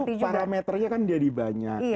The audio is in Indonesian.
itu parameternya kan jadi banyak